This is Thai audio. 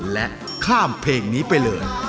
และข้ามเพลงนี้ไปเลย